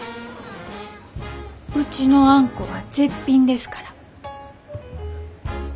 うちのあんこは絶品ですから。